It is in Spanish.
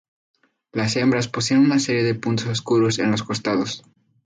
Las hembras poseen una serie de puntos oscuros en los costados.